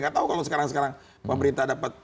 gak tahu kalau sekarang sekarang pemerintah dapat